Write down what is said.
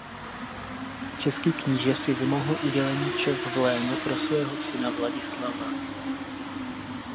Český kníže si vymohl udělení Čech v léno pro svého syna Vladislava.